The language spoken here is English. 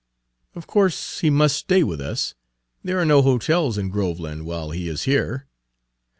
Of course he must stay with us; there are no hotels in Groveland while he is here.